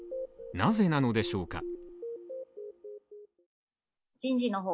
なぜなのでしょうか？